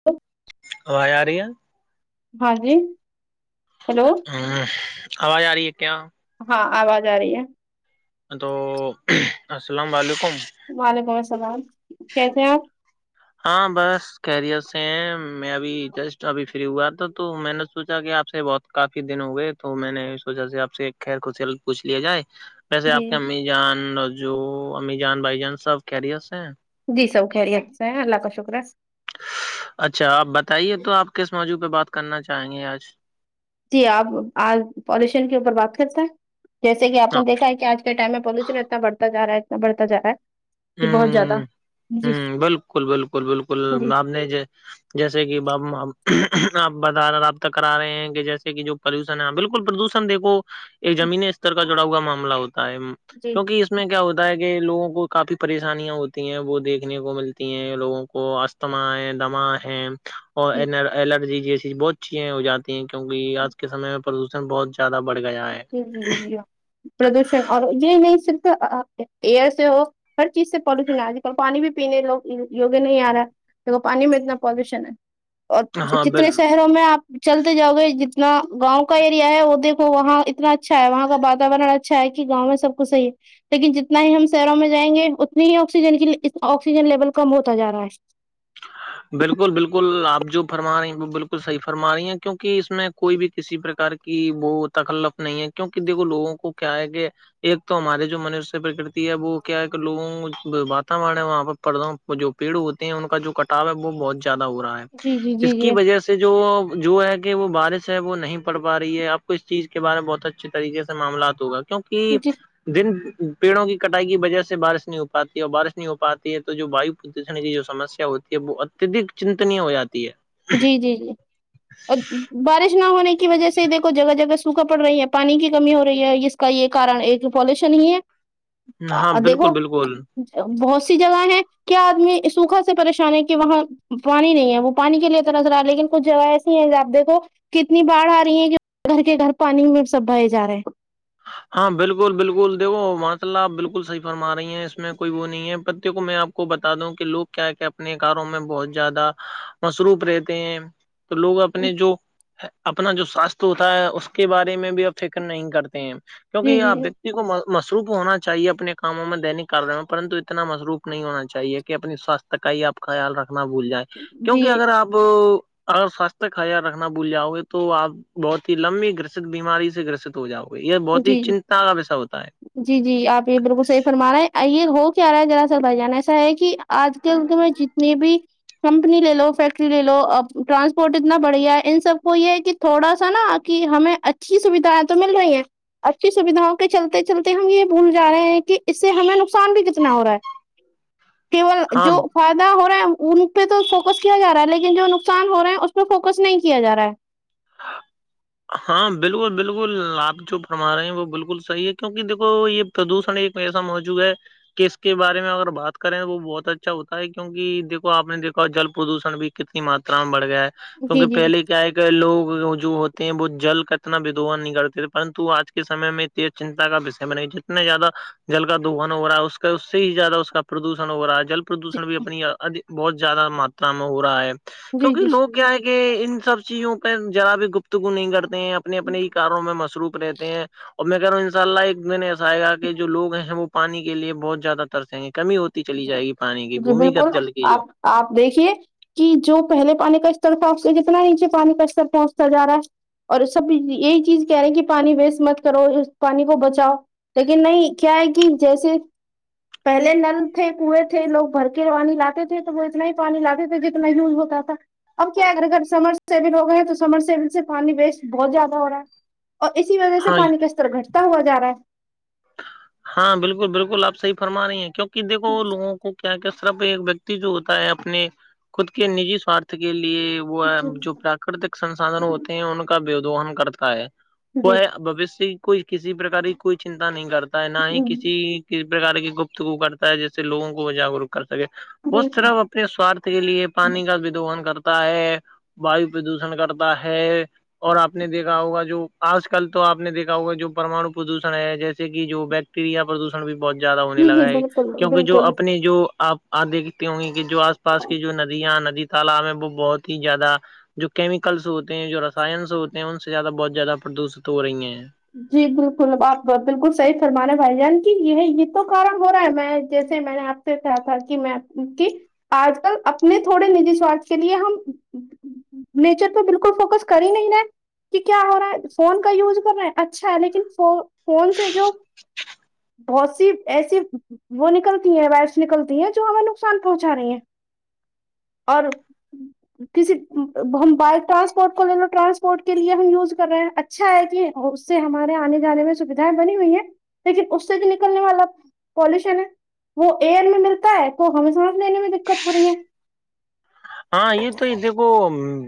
[unintelligible] آاز آ رہی ہے ہاں جی ہیلو ہ آواز آ رہی ہے کیا ہاں آواز آ رہی ہے تو السلام علیکم وعلیکم السلام کیسے ہیں آپ ہاں بس کیریئر سے ہیں میں ابھی جسٹ ابھی فری ہوا تھا تو میں نے سوچا کہ آپ سے بہت کافی دن ہو گئے تو میں نے اس وجہ سے آپ سے خیر خوش پوچھ لیا جائے ویسے جی آپ کے امی جان رجو امی جان بھائی جان سب کیریئرس ہیں جی سب خیرییات سے اللہ کا شکرس اچھا آپ بتائیے تو آپ کس موضوع پہ بات کرنا چاہیں گے آج جی آپ آ پالیوشن کے اوپر بات کرتے ہیں جیسے کہ آپ نے دیکھا ہے کہ آج کے ٹائم میں پالوشن اتنا بڑھتا ج رہا ہے اتنا بڑھتاا رہا ہے ہ کہ بہت زیادہ جی جی ہ بالکل بالکل بالکل جی میںپ نے جیسے کہ باب آپ بد رابطہ کرا رہے ہیں کہ جیسے کہ جو پر ہیں بالکل پردوشن دیکو ایک زمین استر کا جڑا ہوا معاملہ ہوتا ہے کیونکہ اس میں کیا ہوتا ہے کہ لوگوں کو کافی پریشانیاں ہوتی ہیں وہ دیکھنے کو ملتی ہیں لوگوں کو اسستھما ہے دما ہیں اور جی الرجی جیسی بہت اچھی ہو جاتی ہیں کیوںک آج کے سمے میں پردوشن بہت زیاد بڑھ گیا ہے جی جی جی پردوشن اور یہ نہیں ستا ایئر سے ہو ہر چیز سے پالوشن آج کل پانی بھی پینے لوگ یوگیہ نہیں آ رہا دیکھو پانی میں اتنا پالوشن ہے اور ہاں کتنے شہروں میں آپ چلتے جاؤ گے جتنا گاؤں کا ایریا ہے وہ دیک تو وہاں اتنا اچھا ہے وہاں کا واتاورن اچھا ہے کہ گاؤں میں سب ک صحی ہے لیکن جتنا ہی ہم شہروں میں جائیں گے اتنی ہی آکسیجن کی آکسیجن لیول کم ہوتا جا رہا ہے بالکل بالکل آپ جو فرما رہی ہیں وہ بالکل صحیح فرما رہی ہیں کیونکہ اس میں کوئی بھی کسی پرکار کی وہ تکلف نہیں ہے کیونکہ دیکھو لوگوں کو کیا ہے کہ ایک تو ہمارے جو منشیہ پرکرتی ہے وہ کیا ہے کہ لوگوں کو واتورن ہے وہاں پر پڑھا ہوں وہ جو پیڑ ہوتے ہیں ان کا جو وہ بہت زیادہ ہو رہا ہے جی جی اس جی کی جی وجہ سے جو جو ہے کہ وہ بارش سے وہ نہیں پڑھ پا رہی ہے آپ کو اس چیز کے بارے میں بہت اچھے طریقے سے معاملات ہوگا کیونک جی دن پیڑوں کی کٹائی کی وجہ سے بارش نہیں ہو پاتی ہے اور بارش نہیں ہو پاتی ہے تو جو واو کی جو سمسیا ہوتی ہے وہ اتدک چنتنی ہو جاتی ہے جی جی جی اور بارش نہ ہونے کی وجہ سے دیکھو جگہ جگہ سوکھا پڑ رہی ہے ا پانی کی کمی ہو رہی ہے ج کا یہ کن ایک پالوشن ہی ہاں ہے بالکل دیکھو بالکل بہت سی جگہ ہے کیا آدمی سوکھا سے پریشان ہے کہ وہاں پانی نہیں ہے وہ پانی کے لیے تو نظر آ رہا لیکن کچھ جگہ ایسی ہے ج آپ دیکھو کتنی باڑھ آ رہی ہے کہ گھر کے گھر پانی میں سب بائے جا رہے ہیں ہاں بالکل بالکل دیکو ماشء اللہ آپ بالکل صحی فرما رہی ہیں اس میں کوئی وہ نہیں ہے پتے کو میں آپ کو کو بتا دوں کہ لوگ کیا کیا اپنے کاروں میں بہت زیادہ مصروف رہتے ہیں تو لوگ ہیں اپنے جو اپنا جو ساستھ ہوتا ہے اس کے بارے میں بھی آپ فکر نہیں کرتے ہیں کیونکہ جی یہ آپ جی کو مصروف ہونا چاہیے اپنے کاموں میں دینک کارل میں پرنت اتنا مصروف نہیں ہونا چاہیے کہ اپنی سوستھ ت کا ہی آپ کا خیال رکھنا بھول جائے کیونکہ جی اگر آپ ا اگر سوستھ خل رکھنا بھول جاؤ گے تو آپ بہت ہی لمبی گرست بیماری سے گرست ہو جاؤ گا یہ بہت ہی جی چنتا کا پسا ہوتا ہے جی جی آپ یہ بالکل صح فرما رہے ہیں یہ ہو کیا رہا ہے جراصل بھائی جان ایسا ہے کہ آج کے انک میں جتنی بھی کمپنی لے لو فیکٹری لے لو اب ٹرانسپورٹ اتنا بڑھیا ہے ان سب کو یہ ہے کہ تھوڑا سا نا کہ ہمیں اچھی سویدھائیں تو مل رہی ہیں اچھی سویدھاؤں کے چلتے چلتے ہم یہ بھول جا رہے ہیں کہ اس سے ہمیں نقصان بھی کتنا ہو رہا ہے کیول ہاں جو ف ہو رہا ہے ان پہ تو فوکس کیا جا رہا ہے لیکن جو نقصان ہو رہا اس پہ فوکس نہیں کیا جا رہا ہے ہاں بالکل بالکل آپ جو فرما رہے ہیں وہ بالکل صحیح ہے کیونکہ دیکھو یہ تو دوسرا ایک ایسا موجوع ہے کس کے بارے میں اگر بات کریں تو وہ بہت اچھا ہوتا ہے کیونکہ دیکو آپ نے دیکھا جل پردوشن بھی کتنی ماتا میں بڑھ گیا ہے جی کیونکہ پہلے جی کیا ہے کہ لوگ جو ہو وہ جل کا اتنا ودوا نہیں کرتے تھے پرنتو آج کے سم میں ت چنتا کا وشے ب نہیں جتنے زیادہ جل کا دوہن ہو رہا ہے اس کا اس سے ہی زیادہ اس کا پردوشن ہو رہا ہے جل پردوشن بھی اپنی بہت زیادہ ماتا میں ہو رہا ہے جی کیونکہ جی لوگ کیا ہے کہ ان سب چیزوں پہ جذرا بھی گپت نہیں کرتے ہیں اپنے اپنے کاروں میں مصروف رہتے ہیں اور میں کہ رہا ہوں ان شاء اللہ ایک دن ایسا آئےا کہ جووگ ہیں وہ پانی کے لی بہت زیادہ ترسیں گے کمی ہوتی چلی جی جائے گی پانی کی جی بالکل بھمیگت جل کی جو آپ آپ دیکھیے کہ جو پہل پانی کا استر پہچ جتنا نیچے پانی کا استر پہنچتا جا رہا ہے اور سب یہی چیز کہہ رہے ہیں کہ پانی ویسٹ مت کرو پانی کو بچاؤ لیکن نہیں کیا ہے کہ جیسے پہلے نل تھے کیں تھے لوگ بھر کے پانی لاتے تھے تو وہ اتنا ہی پانی لاتے تھے جتنا یوز ہوتا تھا اب کیا اگر سمر سیل ہو گئے ہیں تو سمر سیل سے پانی ویسٹ بہت زیادہ ہو رہا ہے اور اسی وجہ سے ہاں پانی کا استر گھٹتا ہوا جا رہا ہے ہاں بالکل بالکل آ صحی فرما رہی ہیں کیوںکہ ہے دیکوووں کو کیا کیا طرف ایک ویکتی جو ہوتا ہے اپنے خود کے نجی سوارھ کے لیے وہ جی جو پراکرتک سسادن ہوتے ہیں ان کا بھیدہن کرتا ہے وہ جی ہے بوشیہ کی کوئی کسی پرک کی کوئی چنتا نہیں کرتا ہے نہ ہی کسی کسی پرک کی گپتگو کرتا ہے جس سے لوگوں کو وہ جاگروک کر سکے جی اس طرح اپنے سوارھ کے لیے پانی کا بھی دوہن کرتا ہے وایو پردوشن کرتا ہے اور آپ نے دیکھا ہوگا جو آج کل تو آپ نے دیکھا ہوگا جو پرمانو پردوش سنایا ہے جیسے کہ جو ویکتی یریا پردوشن بھی بہت زیادہ ہونے جی لگا جی ہے بالکل کیونکہ جو بالکل اپنے جو آپ آ دیکھتی ہوں گی کہ جو آس پاس کی جو ندیاں ندی تالاب میں وہ بہت ہی زیادہ جو کیمیکلس ہوتے ہیں جو رسائنس ہوتے ہیں ان سے زیادہ بہت زیادہ پردوشت ہو رہی ہیں جی بالکل آپ بالکل صحی فرمانے ہیں بھائی جان کی یہ یہ تو کار ہو رہا ہے میں جیسے میں نے آپ کیا تھا کہ میں کہ آج کل اپنے تھوڑے نجی سوارھ کے لیے ہم نیچر پہ بالکل فوکس کر ہی نہیں رہا کہ کیا ہو رہا ہے فون کا یوز کر رہے ہیں اچھا لیکن ف فون سے جو ہ [inaudible] بہت سی ایسی وہ نکلتی ہے وائرس نکلتی ہے جو ہمیں نقصان پہنچا رہی ہیں اور ہ کسی ہم بائک ٹرانسپورٹ کو لے لو ٹرانسپورٹ کے لیے ہم یوز کر رہے ہیں اچھا ہے کہ اور اس سے ہمارے آنے جانے میں سویدھائیں بنی ہوئی ہے لیکن اس سے جو نکلنے والا پالوشن ہے وہ ایئر میں ملتا ہے کو ہمیں سانس لینے میں دقت ہو رہی ہے ہاں یہ تو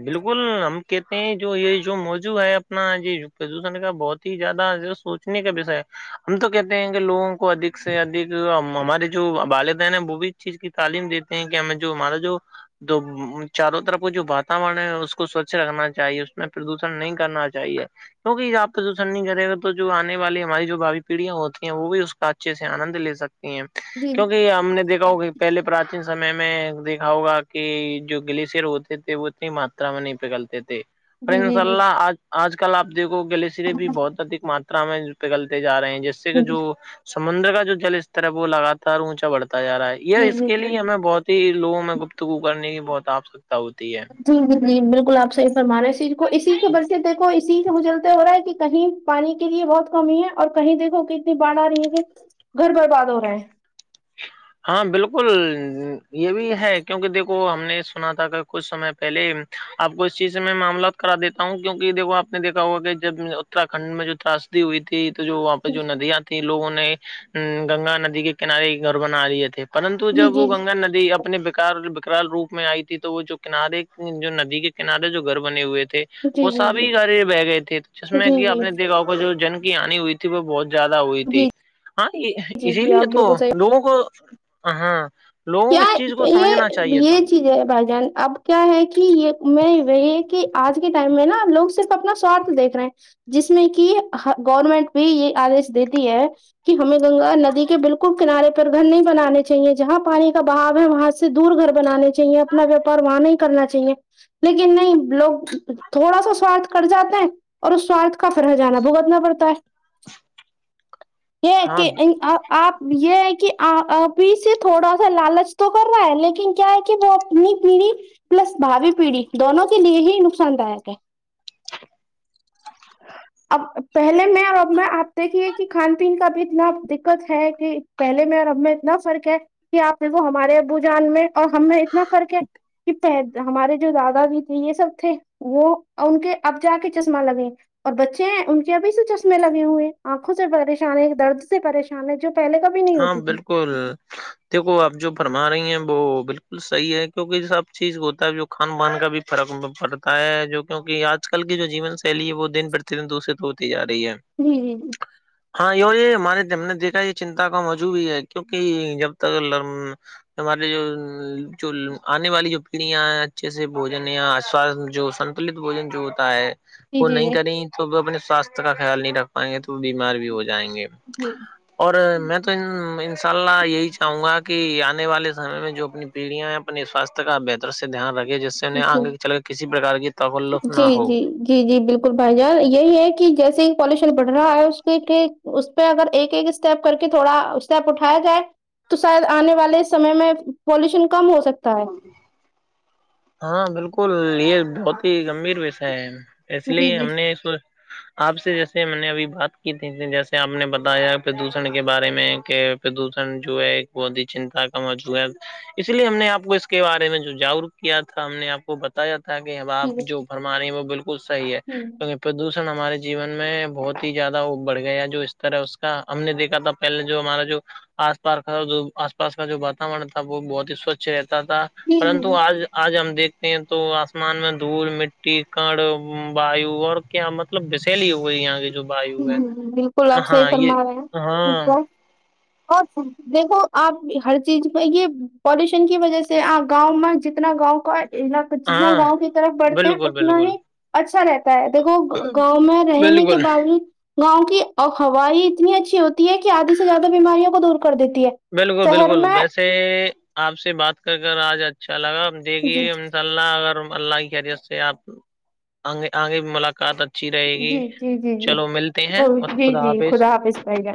بالکل ہم کہتے ہیں جو یہ جو موضوع ہے اپنا یہ پردوشن کا بہت ہی زیادہ سوچنے کا وشا ہے ہم تو کہتے ہیں کہ لوگ کو ادک سے ادک ہمارے جو والدین ہیں وہ بھی اس چیز کی تعلیم دیتے ہیں کہ ہمیں جو ہمارا جو تو چاروں طرف جو واتاورن ہے اس کو سوچھ رکھنا چاہیے اس میں پردوشن نہیں کرنا چاہیے کیکہ آپ پردوشن نہیں کرے گا تو جو آنے والی ہماری جو بھوی پیڑیا ہوتی ہیں وہ بھی اس کا اچھا اچھے سے آنند لے سکتے ہیں جی کیونکہ ہم نے دیکھا ہوگ کہ پہلے پراچین سمے میں دیکھا ہوگا کہ جو گلیشئر ہوتے تھے وہ اتنی ماترا میں نہیں پگلتے تھے پر جی ان شاء جی جی اللہ آج آج کل آپ دیکھو گل سرے بھی بہت ادک ماتا میں پگلتے جا رہے ہیں جیس سے کہ جی جو سمندر کا جو جل استر ہے وہ لگاتار اونچا بڑھتا جا ہے یہ جی اس جی کے لیے ہمیں بہت لوگوں میں گپتگو کرنے کی بہت آوشکتا ہوتی ہے جی جی جی بالکل آپ صح فرمانے ہیں کو اسی خبر سے دیکھو اسی سے اچلتے ہو رہا ہے کہ کہیں پانی کے لیے بہت کمی ہے اور کہیں دیکھو کہ اتنی باڑھ آ رہی ہے کہ گھر برباد ہو رہا ہے ہاں بالکل یہ بھی ہے کیونکہ دیکھو ہم نے سنا تھا کہ کچھ سمے پہلے آپ کو اس چیز سے میں معاملات کرا دیتا ہوں کیوںک دیکھو آپ نے دیکا ہوا کہ جب اترھنڈ میں جو تاس ہوئی ت تو جو وہاں پہ جو ندیاں تھی لوگوں نے گنگا ندی کے کنارے گھر بنا لیے تھے پرتو جی جب وہ جی گنگا ندی اپنے بکار بکرال روپ میں آئی تھی تو وہ جو کنارے جو ندی کے کنارے جو گھر بنے ہوئے تھے جی وہ جی سب جی ہی گاھر بہ گئے تھے جس میں جی کہ اپ جی نے دیکھاؤں کو جو جن کی آنی ہوئی تھی وہ بہت زیادہ ہوئی تھی جی ہاں جی اسی جی آپ لیے تو بالکل صحیح لوگوں کو ہاں لوگوں کو کیا اس چیز کو سمجھنا یہ چاہیے تھا یہ چیز ہے بھائی جان اب کیا ہے کہ یہ میں یہ یہ کہ آج کے ٹائم میں نا لوگ صرف اپنا سوارتھ دیکھ رہے ہیں جس میں کہ گورنمنٹ بھی یہ آدیش دیتی ہے کہ ہمیں گنگا ندی کے بالکل کنارے پر گھر نہیں بنانے چاہیے جہاں پانی کا بھا ہے وہاں سے دور گھر بنانے چاہیے اپنا ویاپار وہاں نہیں کرنا چاہیے لیکن نہیں لوگ تھوڑا سا سواارھ کر جاتے ہیں اور اس سوارتھ کا فرح جانا بھگتنا پڑتا ہے ا یہ کہ آپ یہ ہے کہ آ سے تھوڑا س لالچ تو کر رہا ہے لیکن کیا ہے کہ وہ اپنی پیڑھی پلس بھاوی پیڑھی دونوں کے لیے ہی نقصان داک ہے [inaudible] اب پہلے میں اور اب میں آپ دیکھیے کہ کھان پین کا بھی اتنا دقت ہے کہ [inaudible] پہلے میں اور ہم میں اتنا فرق ہے کہ آپ وہ ہمارے ابو جان میں اور ہم میں اتنا فرق ہے کہ پہ ہمارے جو دادا بھی تھے یہ سب تھے [inaudible] وہ ان کے اب جا کے چشمہ لگیں [inaudible] اور بچے ہیں ان کے ابھی سے چشمے لگے ہوئے ہیں آنکھوں سے پریشان ہے درد سے پریشان ہے جو پہلے کا ہاں بالکل دیکھو آپ جو فرما رہی ہیں وہ بالکل صحیح ہے کیونکہ سب چیز کو ہوتا ہے جو خھان پان کا بھی فرق پڑتا ہے جو کیوںکہ آج کل کی جو جین شیلی ہے وہ دن پر دورے تو ہوتی جا رہی ہے جی ہاں یہی اور یہ ہمارے ہم نے دیکھا یہ چنتا کا موجوع ہے کیونکہ جب تک ل ہمارے جو جو آنے والی جو پیڑیاں اچھے سے بوجن یا جو سن بجن جو ہوتا ہے جی وہ نہیں جی کریں تو وہ اپنے سواستھ کا خیال نہیں رکھ پائیں گے تو وہ بیمار بھی ہو جائیں گے ہوں [inaudible] اور میں تو ان شاء اللہ یہی چاہوں گا کہ آنے والے سمے میں جو اپنی پیڑھیاں [inaudible] اپنے سواستھ کا بہتر سے دھیان رکھے جس سے جی انہیں ٹھیک آنگے چل کے کسی پرکار کی تکلف جی نہ ہو جی جی جی بالکل بھائی جان یہی ہے کہ جیسے ہی پالوشن بڑھ رہا ہے اس کے کہ پہ اگر ایک ایک اسٹیپ کر کے تھوڑا اسٹیپ اٹھایا جائے تو شاید آنے والے سمے میں پولوشن کم ہو سکتا ہے ہاں بالکل یہ بہت ہی گمبھیر وشے ہے اس جی لیے جی ہم نے [inaudible] آپ سے جیسے میں نے ابھی بات کی تھی جیسے آپ نے بتایا پردوشن کے بارے میں کہ پردوشن جو ہے ایک بت ہی چنتا کا موجوع ہے اس لیے ہم نے آپ کو اس کے بارے میں جو جاگروک [inaudible] کیا تھا ہم نے آپ کو بتایا تھا کہ ا آپ ٹھیک جو بھرما رہے ہیں وہ بالکل صحیح ہے ہےکہ پردوشن ہمارے جیون میں بہت ہی زیادہ بڑھ گیا جو استر ہے اس کا ہم نے دیکھا تھا پہلے جو ہمارا جو آس پا کا آس پاس کا جو واتاورن تھا وہ بہت ہی سوچھ رہتا تھا [inaudible] پرتو ٹھیک آج [inaudible] آج ہم دیکھتے ہیں تو آسمان میں دھول مٹی کڑ ویو اور کیا مطلب بسلی ہوئی یہاں کی جو وایو ہے بالکل آپ ہاں صحیح یہ فرما رہے ہاں [inaudible] ہیں اور دیکھو آپ ہر چیز میں یہ پالوشن کی وجہ سے آپ گاؤں میں جتنا گاؤں کا علاقہ جتنا ہاں گاؤں کی طرف بڑھتے ہیں بالکل اتنا بالکل ہی اچھا رہتا ہے دیکھو گاؤں میں رہنے کے بالکل باوجود گاؤں کی ہوائی اتنی اچھی ہوتی ہے کہ آدھے سے زیادہ بیماریوں کو دور کر دیتی ہے بالکل شہر بالکل میں ویسے آپ سے بات کر کر آج اچھا لگا ا دیکھیے جی ہم لہ اگر اللہ کی حیرییت سے آپ آگے بھی ملاقات ا [inaudible] اچھی رہے گی جی جی جی جی چلو ملتے ہیں اور جی خدا جی آاپظ حافظ بھائی جان